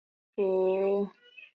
都会有休息跟坐下来的点